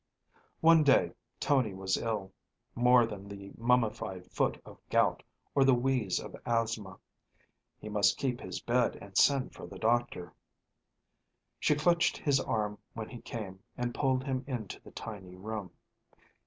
One day Tony was ill, more than the mummied foot of gout, or the wheeze of asthma; he must keep his bed and send for the doctor. She clutched his arm when he came, and pulled him into the tiny room.